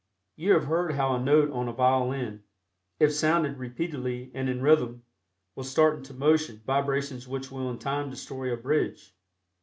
You have heard how a note on a violin, if sounded repeatedly and in rhythm, will start into motion vibrations which will in time destroy a bridge.